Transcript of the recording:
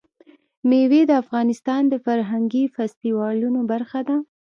مېوې د افغانستان د فرهنګي فستیوالونو برخه ده.